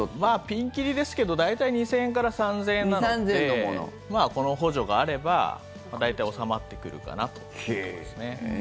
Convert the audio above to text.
ピンキリですけど大体２０００円から３０００円なのでこの補助があれば大体収まってくるかなというところですね。